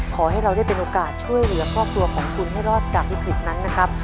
ขอให้เราได้เป็นโอกาสช่วยเหลือครอบครัวของคุณให้รอดจากวิกฤตนั้นนะครับ